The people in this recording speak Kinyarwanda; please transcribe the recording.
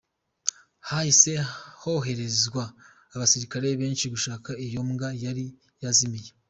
Hahise hoherezwa abasirikare benshi gushaka iyo mbwa yari yazimiye.